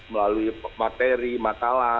melalui materi makalah